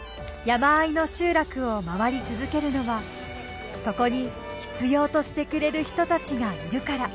山あいの集落を回り続けるのはそこに必要としてくれる人たちがいるから。